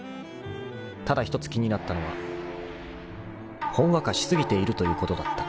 ［ただ一つ気になったのはほんわかし過ぎているということだった］